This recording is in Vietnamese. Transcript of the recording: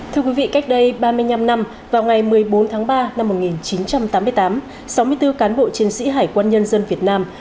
thưa quý vị cách đây ba mươi năm năm vào ngày một mươi bốn tháng ba năm một nghìn chín trăm tám mươi tám sáu mươi bốn cán bộ chiến sĩ hải quân nhân dân việt nam